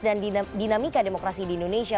dan dinamika demokrasi di indonesia